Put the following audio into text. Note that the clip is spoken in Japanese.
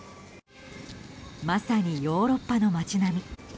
まさに、ヨーロッパの街並み。